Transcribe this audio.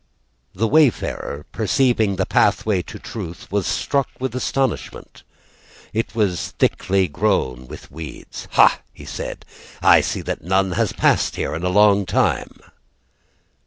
The wayfarer, Perceiving the pathway to truth, Was struck with astonishment. It was thickly grown with weeds. "Ha," he said, "I see that none has passed here "In a long time."